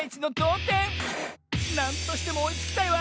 なんとしてもおいつきたいわ！